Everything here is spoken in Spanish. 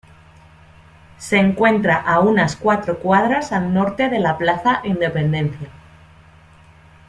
Se encuentra a unas cuatro cuadras al norte de la Plaza Independencia.